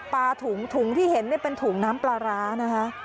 ปลาถุงถุงที่เห็นเป็นถุงน้ำปลาร้านะคะ